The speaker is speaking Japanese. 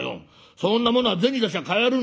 そんなものは銭出しゃ買えるんだよ。